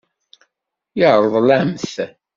Yeṛḍel-am-t.